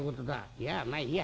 「いやまあいいや」。